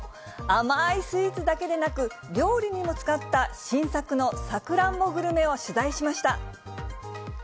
甘いスイーツだけでなく、料理にも使った新作のさくらんぼグルメを取材しました。